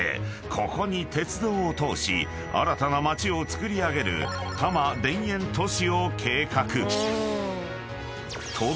ここに鉄道を通し新たな街をつくり上げる多摩田園都市を計画］